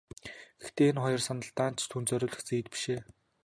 Гэхдээ энэ хоёр сандал даанч түүнд зориулагдсан эд биш ээ.